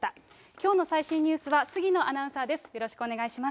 きょうの最新ニュースは杉野アナウンサーです。